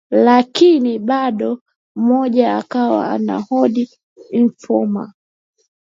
lakini bado mmoja akawa anahold informa